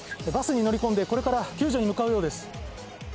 バスに乗り込んでこれから救助に向かうようです。